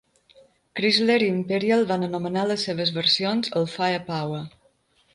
Chrysler i Imperial van anomenar les seves versions el "FirePower".